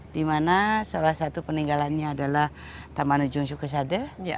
di mana salah satu peninggalannya adalah taman ujung sukasade